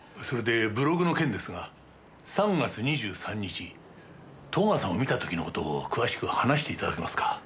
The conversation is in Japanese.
それでブログの件ですが３月２３日戸川さんを見た時の事を詳しく話して頂けますか？